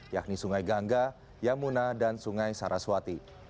yakni sungai gangga yamuna dan sungai saraswati